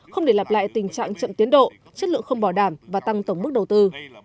không để lặp lại tình trạng chậm tiến độ chất lượng không bỏ đảm và tăng tổng mức đầu tư